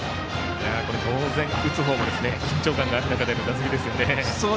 当然、打つ方も緊張感がある中での打席ですね。